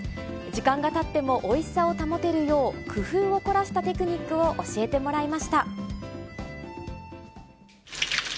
時間がたってもおいしさを保てるよう、工夫を凝らしたテクニックを教えてもらいました。